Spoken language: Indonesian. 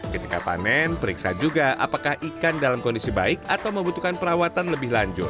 ketika panen periksa juga apakah ikan dalam kondisi baik atau membutuhkan perawatan lebih lanjut